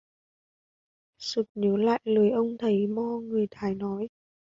Sực nhớ lại lời ông thầy mo người thái nói